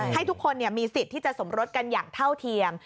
ให้ทุกคนมีสิทธิ์ที่จะสมรสกันอย่างเท่าเทียม